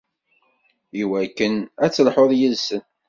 Iwakken ad d-telhuḍ yid-sen.